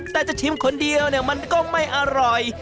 แต่จะชิมคนเดียวเนี่ยมันก็ไม่อร่อย